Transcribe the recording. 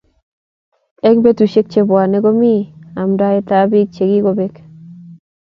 Eng betusiek che bwone komi amndaet ab biik chikikobek